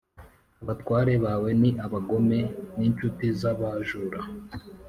Abatware bawe ni abagome n’incuti z’abajura